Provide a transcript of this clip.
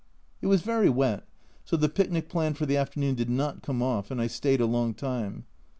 It was very wet, so the picnic planned for the afternoon did not come off, and I stayed a long time.